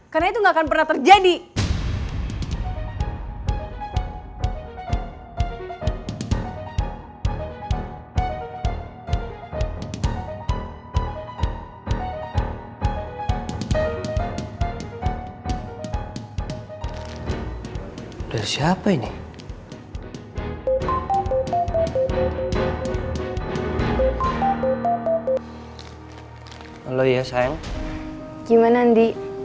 karena itu gak akan pernah terjadi